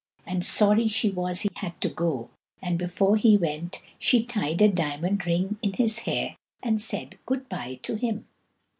And sorry she was he had to go, and before he went she tied a diamond ring in his hair, and said good bye to him.